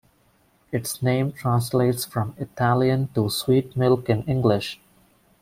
Its name translates from Italian to 'sweet milk' in English.